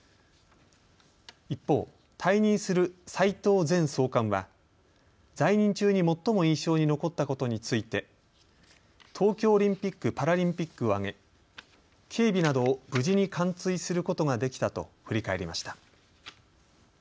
一方、退任する斉藤前総監は在任中に最も印象に残ったことについて東京オリンピック・パラリンピックを挙げ警備などを無事に完遂することができたと振り返りました。